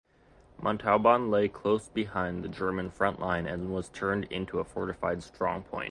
Montauban lay close behind the German front-line and was turned into a fortified strongpoint.